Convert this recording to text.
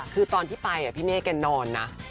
คือตอนที่ไปพี่เมฆแกนอนนะ